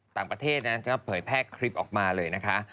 ต่างประเทศนั้นก็เผยแพร่คลิปออกมาเลยนะคะ